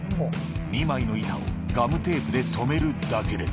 ２枚の板をガムテープで留めるだけで。